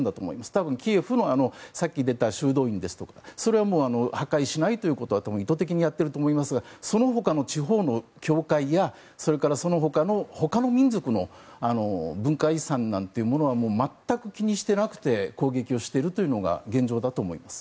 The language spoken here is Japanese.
多分、キエフのさっき出た修道院ですとかそれは破壊しないということは意図的にやっていると思いますがそのほかの地方の教会やそのほかの、ほかの民族の文化遺産なんていうものは全く気にしていなくて攻撃をしているというのが現状だと思います。